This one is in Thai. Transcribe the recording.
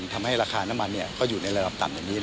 ทำให้ราคาน้ำมันก็อยู่ในระดับต่ำอย่างนี้